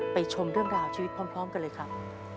ชมเรื่องราวชีวิตพร้อมกันเลยครับ